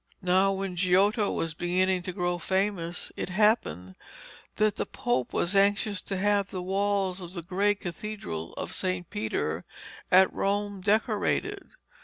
Now when Giotto was beginning to grow famous, it happened that the Pope was anxious to have the walls of the great Cathedral of St. Peter at Rome decorated.